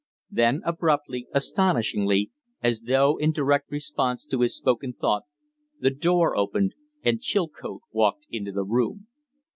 Then abruptly, astonishingly, as though in direct response to his spoken thought, the door opened and Chilcote walked into the room.